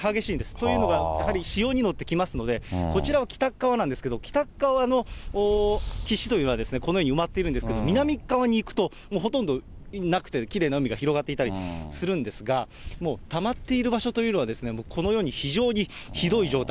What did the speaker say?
というのは、やはり潮に乗って来ますので、こちらは北っ側なんですけど、北っ側の岸はこのように埋まってるんですけれども、南っ側に行くとほとんどなくて、きれいな海が広がっていたりするんですが、もうたまっている場所というのは、このように非常にひどい状態。